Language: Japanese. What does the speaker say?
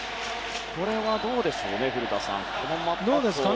これはどうでしょうね古田さん。